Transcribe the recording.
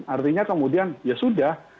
artinya kemudian ya sudah